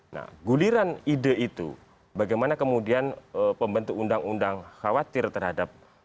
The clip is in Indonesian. nah guliran ide itu bagaimana kemudian pembentuk undang undang khawatir terhadap